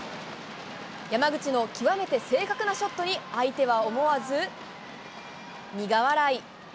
山口の極めて正確なショットに、相手は思わず、苦笑い。